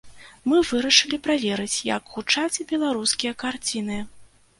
Мы вырашылі праверыць, як гучаць беларускія карціны.